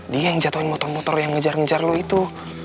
dia yang jatuhin motor motor yang ngejar ngejar lo itu